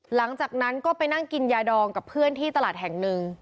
หลังจากนั้นก็ไปนั่งกินยาดองกับเพื่อนที่ตลาดแห่งหนึ่ง